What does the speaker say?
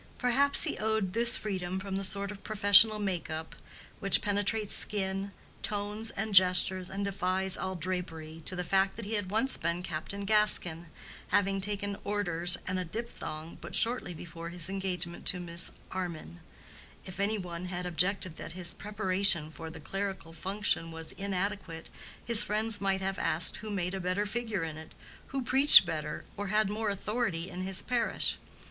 Perhaps he owed this freedom from the sort of professional make up which penetrates skin, tones and gestures and defies all drapery, to the fact that he had once been Captain Gaskin, having taken orders and a diphthong but shortly before his engagement to Miss Armyn. If any one had objected that his preparation for the clerical function was inadequate, his friends might have asked who made a better figure in it, who preached better or had more authority in his parish?